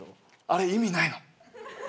あれ意味ないの。